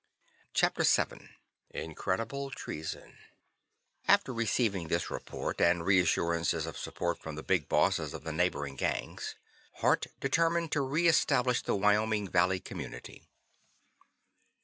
CHAPTER VII Incredible Treason After receiving this report, and reassurances of support from the Big Bosses of the neighboring Gangs, Hart determined to reestablish the Wyoming Valley community.